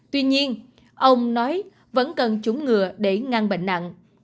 tuy nhiên ông nói vẫn cần chủng ngừa để ngăn bệnh nặng